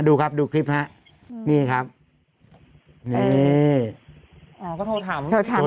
ดูครับดูคลิปฮะนี่ครับนี่อ๋อก็โทรถาม